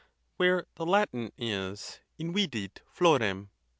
where the Latin is invidit florem.